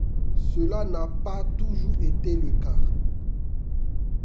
Cela n'a pas toujours été le cas.